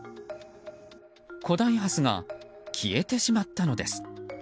古代ハスが消えてしまったのです。